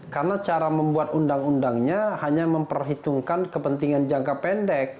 karena cara membuat undang undangnya hanya memperhitungkan kepentingan jangka pendek